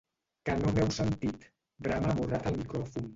¿Que no m'heu sentit?, brama amorrat al micròfon.